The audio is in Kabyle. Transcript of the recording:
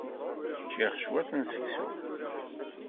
Ččiɣ cwiṭ n seksu.